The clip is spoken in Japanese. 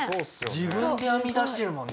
自分で編み出してるもんね。